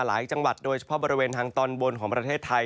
หลายจังหวัดโดยเฉพาะบริเวณทางตอนบนของประเทศไทย